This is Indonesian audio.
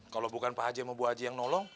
kalau bukan pak haji mau bu haji yang nolong